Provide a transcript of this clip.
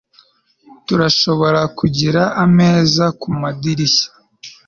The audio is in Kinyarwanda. turashobora kugira ameza kumadirishya